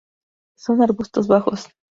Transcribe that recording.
Son arbustos bajos.